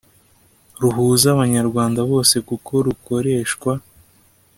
ruhuza abanyarwanda bose kuko rukoreshwa